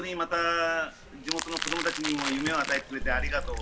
地元の子供たちに夢を与えてくれてありがとう。